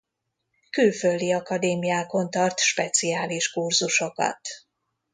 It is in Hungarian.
Külföldi akadémiákon tart speciális kurzusokat.